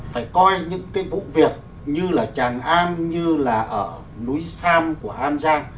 phải coi những cái vụ việc như là tràng an như là ở núi sam của an giang